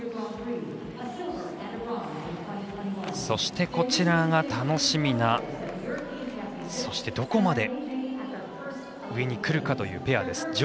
そして、楽しみなそして、どこまで上にくるかというペアです。